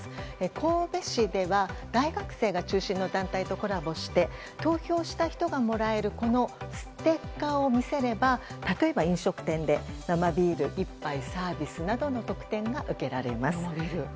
神戸市では大学生が中心の団体とコラボして投票した人がもらえるこのステッカーを見せれば例えば、飲食店で生ビール１杯サービスなどの特典が受けられます。